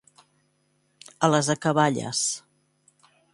A les acaballes.